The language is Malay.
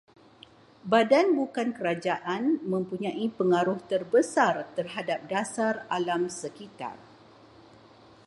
Badan bukan kerajaan mempunyai pengaruh terbesar terhadap dasar alam sekitar